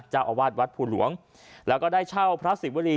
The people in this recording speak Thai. เจ้าอาวาสวัดภูหลวงแล้วก็ได้เช่าพระศิวรี